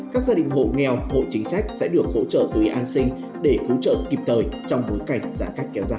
các gia đình hộ nghèo hộ chính sách sẽ được hỗ trợ tưới an sinh để cứu trợ kịp thời trong bối cảnh giãn cách kéo dài